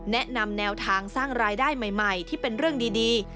แนวทางสร้างรายได้ใหม่ที่เป็นเรื่องดี